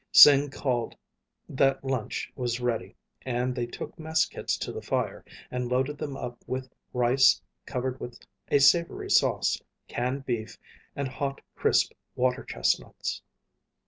Sing called that lunch was ready and they took mess kits to the fire and loaded them up with rice covered with a savory sauce, canned beef, and hot, crisp water chestnuts.